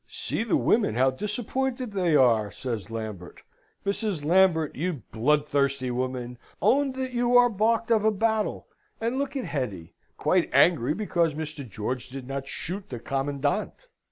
"See the women, how disappointed they are!" says Lambert. "Mrs. Lambert, you bloodthirsty woman, own that you are balked of a battle; and look at Hetty, quite angry because Mr. George did not shoot the commandant."